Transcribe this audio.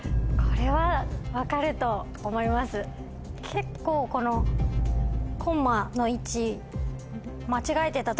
結構このコンマの位置。